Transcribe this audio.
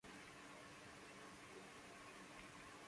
¡En mala hora se lo contaste! Ahora ya lo sabe todo quisqui